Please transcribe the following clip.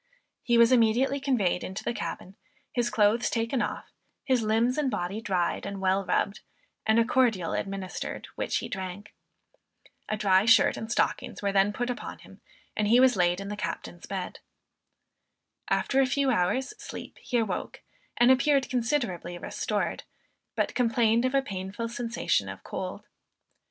He was immediately conveyed into the cabin, his clothes taken off, his limbs and body dried and well rubbed, and a cordial administered which he drank. A dry shirt and stockings were then put upon him, and he was laid in the captain's bed. After a few hours sleep he awoke, and appeared considerably restored, but complained of a painful sensation of cold.